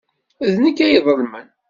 D nekk ay iḍelmen.